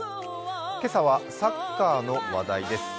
今朝はサッカーの話題です。